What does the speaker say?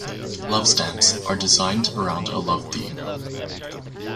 Love stamps are designed around a love theme.